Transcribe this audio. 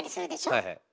はいはい。